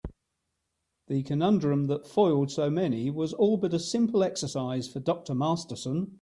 The conundrum that foiled so many was all but a simple exercise for Dr. Masterson.